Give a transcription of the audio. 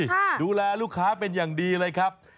ดูแลลูกค้าเป็นอย่างดีเลยครับ